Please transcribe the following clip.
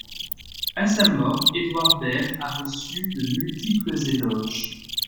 À sa mort, Edward Behr a reçu de multiples éloges.